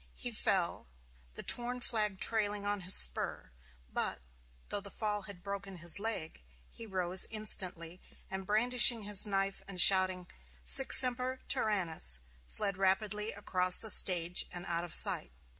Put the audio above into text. He fell, the torn flag trailing on his spur; but, though the fall had broken his leg, he rose instantly and brandishing his knife and shouting, "Sic Semper Tyrannis!" fled rapidly across the stage and out of sight.